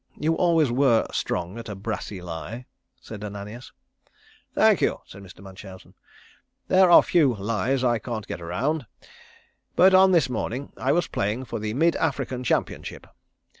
"You always were strong at a brassey lie," said Ananias. "Thank you," said Mr. Munchausen. "There are few lies I can't get around. But on this morning I was playing for the Mid African Championship.